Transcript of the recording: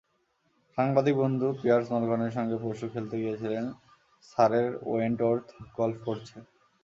সাংবাদিক বন্ধু পিয়ার্স মরগানের সঙ্গে পরশু খেলতে গিয়েছিলেন সারের ওয়েন্টওর্থ গলফ কোর্সে।